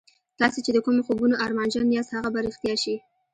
تاسې چې د کومو خوبونو ارمانجن یاست هغه به رښتیا شي